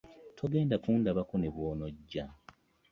Togenda kundabako ne bw'onojja.